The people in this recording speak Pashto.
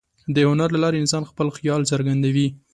د هنر له لارې انسان خپل خیال څرګندوي.